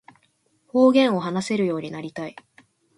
方言を話せるようになりたい